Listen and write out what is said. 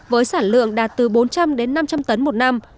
với sản lượng đạt từ bốn trăm linh đến năm trăm linh tấn một năm